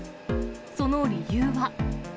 その理由は。